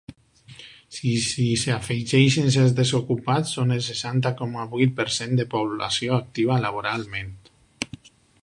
Si s’hi afegeixen els desocupats, són el seixanta coma vuit per cent de població activa laboralment.